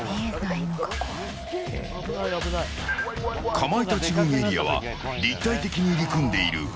かまいたち軍エリアは立体的に入り組んでいる。